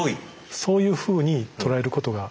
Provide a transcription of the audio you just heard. そういうふうに捉えることができます。